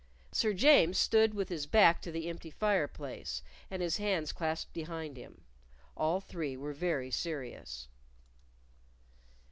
Sir James stood with his back to the empty fireplace, and his hands clasped behind him. All three were very serious.